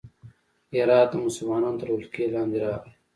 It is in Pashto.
هرات د مسلمانانو تر ولکې لاندې راغی.